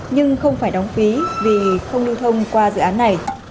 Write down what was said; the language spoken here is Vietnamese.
nhưng không phải đóng phí vì không lưu thông qua dự án này